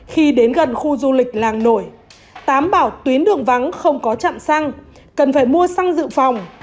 khi đến gần khu du lịch làng nổi tám bảo tuyến đường vắng không có chạm xăng cần phải mua xăng dự phòng